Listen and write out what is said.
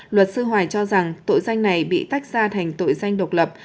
luật sư hoài cho rằng tội danh này bị tách ra thành tội danh độc lập